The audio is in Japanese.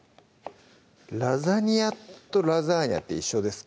ラザニアとラザーニャって一緒ですか？